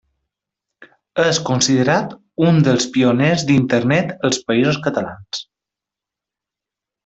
És considerat un dels pioners d'Internet als Països Catalans.